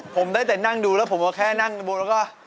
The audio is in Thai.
ผมได้แต่นั่งดูแล้วผมก็แค่นั่งบนแล้วก็